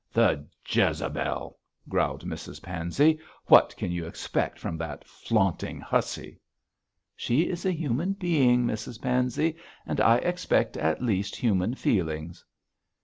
'The Jezebel!' growled Mrs Pansey. 'What can you expect from that flaunting hussy?' 'She is a human being, Mrs Pansey, and I expect at least human feelings.'